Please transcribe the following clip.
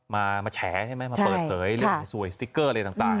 มาแฉใช่ไหมมาเปิดเผยเรื่องสวยสติ๊กเกอร์อะไรต่าง